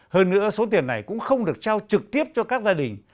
hơn nữa số tiền này cũng không được trao trực tiếp cho các gia đình